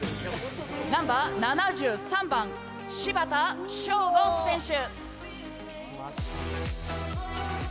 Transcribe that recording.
ナンバー７３番柴田祥吾選手